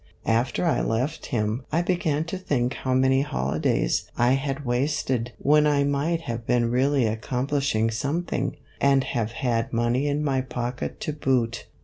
After I left him I be gan to think how many holidays I had wasted when MR. HURD'S HOLIDAY. 97 I might have been really accomplishing something, and have had money in my pocket to boot.